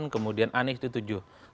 kemudian anies itu tujuh